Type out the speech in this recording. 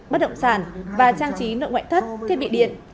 bất động sản và trang trí nội ngoại thất thiết bị điện